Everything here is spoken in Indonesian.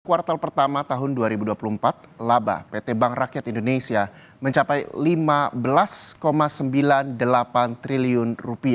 kuartal pertama tahun dua ribu dua puluh empat laba pt bank rakyat indonesia mencapai rp lima belas sembilan puluh delapan triliun